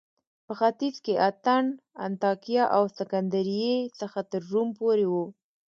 په ختیځ کې له اتن، انطاکیه او سکندریې څخه تر روم پورې و